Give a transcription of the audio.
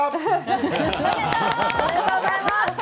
おめでとうございます。